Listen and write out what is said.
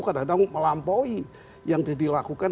kadang kadang melampaui yang dilakukan